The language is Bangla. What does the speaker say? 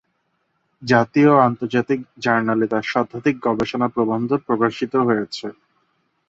জাতীয় ও আন্তর্জাতিক জার্নালে তার শতাধিক গবেষণা প্রবন্ধ প্রকাশিত হয়েছে।